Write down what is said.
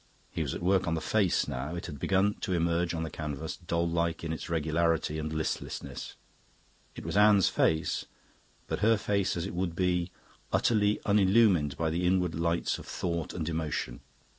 He was at work on the face now; it had begun to emerge on the canvas, doll like in its regularity and listlessness. It was Anne's face but her face as it would be, utterly unillumined by the inward lights of thought and emotion.